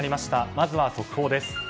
まずは速報です。